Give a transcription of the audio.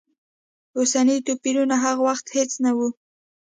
اوسني توپیرونه هغه وخت هېڅ نه و.